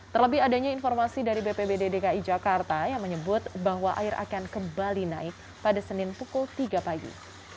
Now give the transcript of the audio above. terlebih adanya informasi dari bpbd dki jakarta yang menyebut bahwa air akan kembali naik pada senin pukul tiga pagi